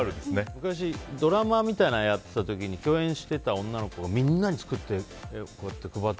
昔ドラマみたいなのやっていた時に共演していた女の子がみんなに作って配って。